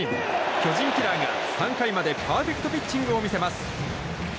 巨人キラーが３回までパーフェクトピッチングを見せます。